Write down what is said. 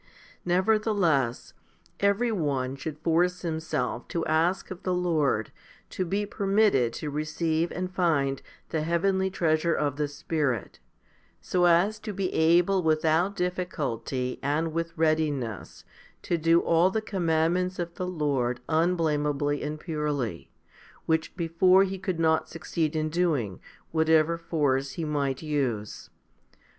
3. Nevertheless, every one should force himself to ask of the Lord to be permitted to receive and find the heavenly treasure of the Spirit, so as to be able without difficulty and with readiness to do all the commandments of the Lord unblameably and purely, which before he could not succeed in doing, whatever force he might use.